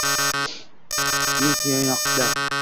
Ming qiynoqda